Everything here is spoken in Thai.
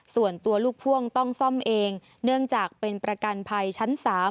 ส่วนตัวลูกพ่วงต้องซ่อมเองเนื่องจากเป็นประกันภัยชั้น๓